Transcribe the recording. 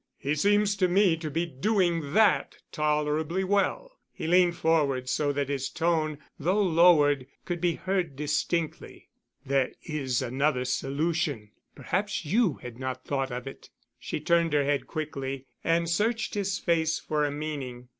"He seems to me to be doing that tolerably well." He leaned forward so that his tone, though lowered, could be heard distinctly. "There is another solution. Perhaps you had not thought of it." She turned her head quickly and searched his face for a meaning.